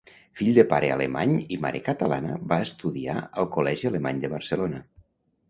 Fill de pare alemany i mare catalana, va estudiar al Col·legi Alemany de Barcelona.